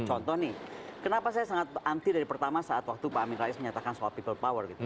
contoh nih kenapa saya sangat anti dari pertama saat waktu pak amin rais menyatakan soal people power gitu